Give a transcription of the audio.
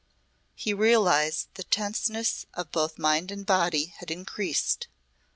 He realised that the tenseness of both mind and body had increased.